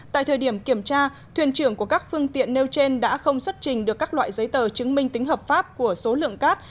tại thời điểm kiểm tra thuyền trưởng của các phương tiện nêu trên đã không xuất trình được các loại giấy tờ chứng minh tính hợp pháp của số lượng cát